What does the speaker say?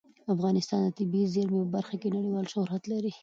افغانستان د طبیعي زیرمې په برخه کې نړیوال شهرت لري.